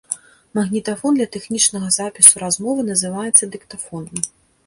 Магнітафон для тэхнічнага запісу размовы называецца дыктафонам.